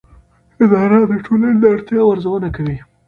اداره د ټولنې د اړتیاوو ارزونه کوي.